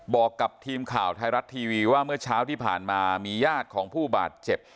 บอกกับทีมข่าวไทยรัฐทีวีว่าเมื่อเช้าที่ผ่านมามีญาติของผู้บาดเจ็บ